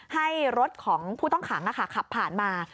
ให้รถของผู้ต้องขังขับผ่านมา